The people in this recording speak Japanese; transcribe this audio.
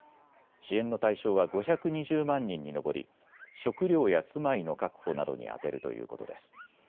支援の対象は５２０万人に上り食料や住まいの確保などに充てるということです。